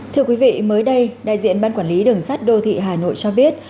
thưa quý vị mới đây đại diện ban quản lý đường sắt đô thị hà nội cho biết